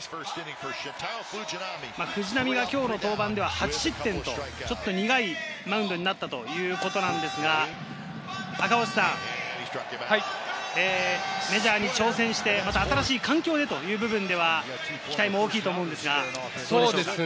藤浪が今日の登板で８失点とちょっと苦いマウンドになったということですが、メジャーに挑戦して新しい環境でという部分では期待も大きいと思います。